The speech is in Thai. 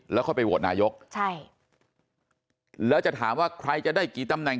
แล้วค่อยไปโหวตนายกใช่แล้วจะถามว่าใครจะได้กี่ตำแหน